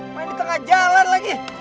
main di tengah jalan lagi